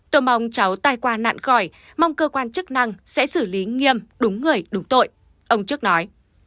tôi mong cháu tai qua nạn khỏi mong cơ quan chức năng sẽ xử lý nghiêm đúng người đúng tội